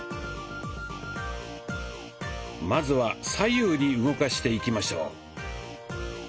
まずは左右に動かしていきましょう。